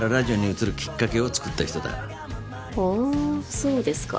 そうですか。